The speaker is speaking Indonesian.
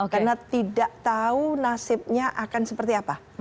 karena tidak tahu nasibnya akan seperti apa